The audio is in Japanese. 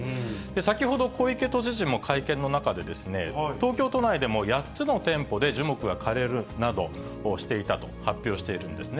先ほど小池都知事も会見の中で、東京都内でも８つの店舗で、樹木が枯れるなどしていたと発表しているんですね。